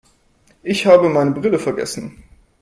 Ich habe meine Brille vergessen.